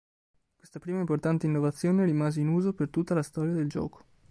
Questa prima importante innovazione rimase in uso per tutta la storia del gioco.